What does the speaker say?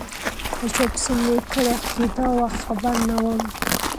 یو چا پسې می کړې اقتدا وه خبر نه وم